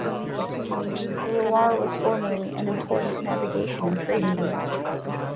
The Loire was formerly an important navigation and trading route.